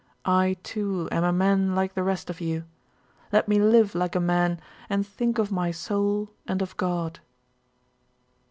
I too am a man like the rest of you. Let me live like a man and think of my soul and of God."